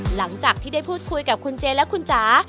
หลังจากที่ได้พูดคุยกับคุณเจและคุณจ๋า